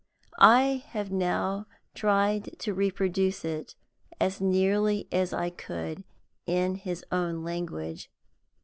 I have now tried to reproduce it as nearly as I could in his own language.